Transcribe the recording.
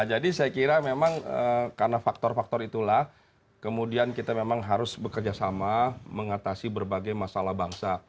saya kira memang karena faktor faktor itulah kemudian kita memang harus bekerja sama mengatasi berbagai masalah bangsa